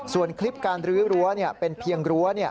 ส่วนคลิปการรื้อรั้วเป็นเพียงรั้ว